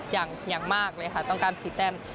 อย่างมากเลยค่ะต้องการ๔แต้ม